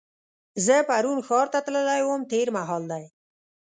زه پرون ښار ته تللې وم تېر مهال دی.